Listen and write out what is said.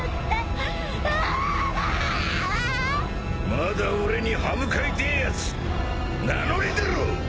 まだ俺に歯向かいてえやつ名乗り出ろ！